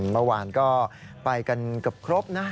เมื่อวานก็ไปกันเกือบครบนะ